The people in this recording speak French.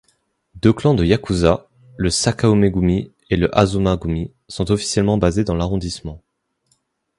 Deux clans de yakuzas, le Sakaume-gumi et le Azuma-gumi, sont officiellement basés dans l'arrondissement.